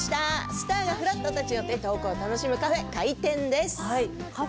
スターがふらっと立ち寄ってトークを楽しむカフェ、開店です。